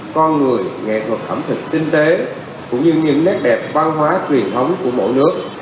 con người nghệ thuật ẩm thực tinh tế cũng như những nét đẹp văn hóa truyền thống của mỗi nước